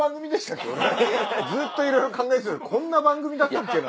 ずっといろいろ考えてこんな番組だったっけな？